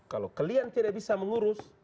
kalau kalian tidak bisa mengurus